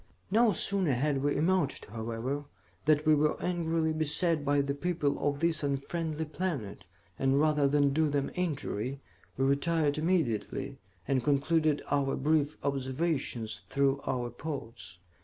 "No sooner had we emerged, however, than we were angrily beset by the people of this unfriendly planet, and rather than do them injury, we retired immediately, and concluded our brief observations through our ports.